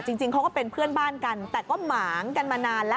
จริงเขาก็เป็นเพื่อนบ้านกันแต่ก็หมางกันมานานแล้ว